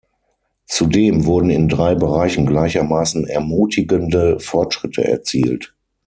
Zudem wurden in drei Bereichen gleichermaßen ermutigende Fortschritte erzielt.